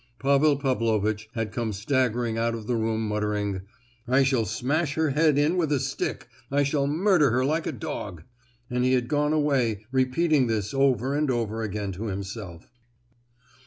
Pavel Pavlovitch had come staggering out of the room muttering, "I shall smash her head in with a stick! I shall murder her like a dog!" and he had gone away, repeating this over and over again to himself.